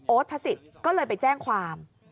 โอ๊ตพระสิทธิ์ก็เลยไปแจ้งความ